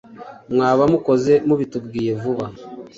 mwaba mukoze mubitubwiye vuba